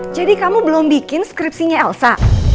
jadi kamu belum bikin skripsinya elsa